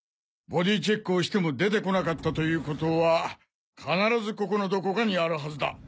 ボディーチェックをしても出てこなかったということは必ずここのどこかにあるはずだ！